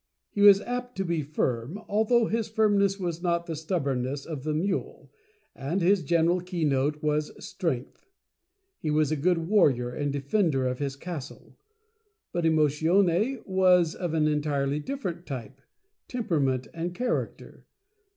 He was apt to be firm although his firmness was not the stubborn ness of the mule, and his general keynote was Strengths He was a good warrior and defender of his castle. But Emotione was of an entirely different type, tem perament, and character.